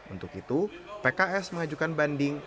untuk itu pks mengajukan banding